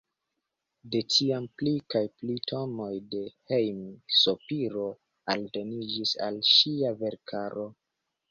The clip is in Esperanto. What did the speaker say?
De tiam pli kaj pli tonoj de hejm-sopiro aldoniĝis al ŝia verkaro.